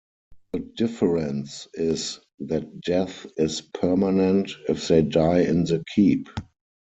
The difference is that death is permanent if they die in the keep.